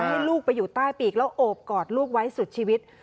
ให้ลูกไปอยู่ใต้ปีกแล้วโอบกอดลูกไว้สุดชีวิต